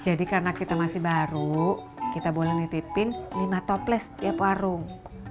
jadi karena kita masih baru kita boleh nitipin lima toples tiap warung